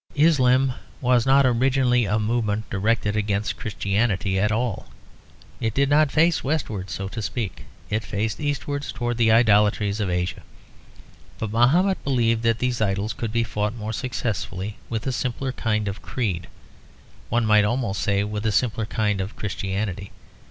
Islam was not originally a movement directed against Christianity at all. It did not face westwards, so to speak; it faced eastwards towards the idolatries of Asia. But Mahomet believed that these idols could be fought more successfully with a simpler kind of creed; one might almost say with a simpler kind of Christianity.